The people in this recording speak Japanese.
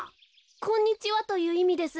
「こんにちは」といういみです。